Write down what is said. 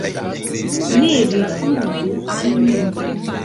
Ne rifuzu al mi.